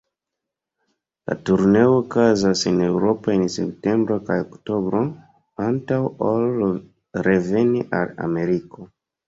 La turneo okazas en Eŭropo en septembro kaj oktobro, antaŭ ol reveni al Ameriko.